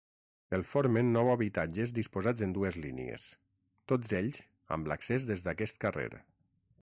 El formen nou habitatges disposats en dues línies, tots ells amb l'accés des d'aquest carrer.